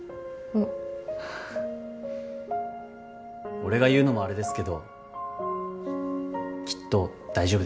俺が言うのもあれですけどきっと大丈夫ですよ。